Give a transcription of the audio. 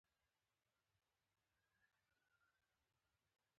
چاکلېټ د ماشومانو د زیږون پر ورځ راوړل کېږي.